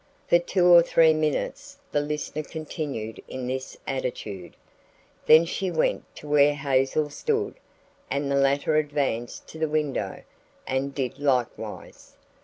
For two or three minutes the listener continued in this attitude; then she went to where Hazel stood and the latter advanced to the window and did likewise.